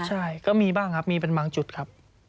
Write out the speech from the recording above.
สวัสดีค่ะที่จอมฝันครับ